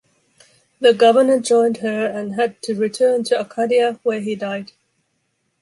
The governor joined her and had to return to Acadia where he died.